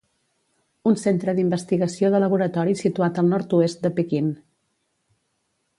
Un centre d'investigació de laboratori situat al nord-oest de Pequín.